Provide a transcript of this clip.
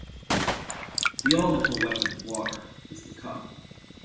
The elemental weapon of water is the cup.